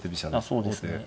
そうですね